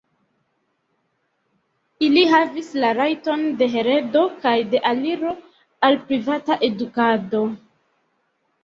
Ili havis la rajton de heredo kaj de aliro al privata edukado!